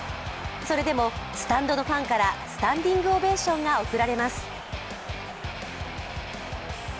それでもスタンドのファンからスタンディングオベーションが贈られます。